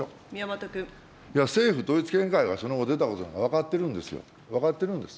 政府統一見解はその後出たことなんてわかってるんですよ、分かってるんです。